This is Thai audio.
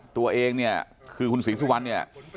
ตัวเองคือคุณศีรศิวรรณเนี่ย